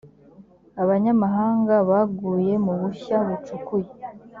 abanyamahanga baguye mu bushya bacukuye